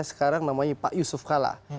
sekarang namanya pak yusuf kalla